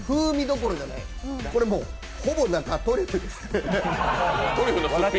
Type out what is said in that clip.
これ、もうほぼ、中、トリュフです。